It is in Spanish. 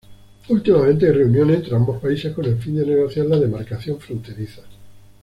Últimamente hay reuniones entre ambos países con el fin de negociar la demarcación fronteriza.